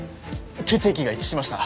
血液が一致しました。